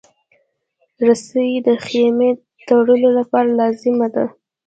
رسۍ د خېمې د تړلو لپاره لازمه ده.